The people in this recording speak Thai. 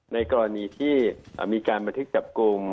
ในกรณีที่มีการบันทึกจับกลุ่ม